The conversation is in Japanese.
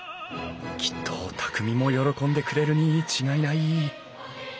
きっと匠も喜んでくれるに違いない。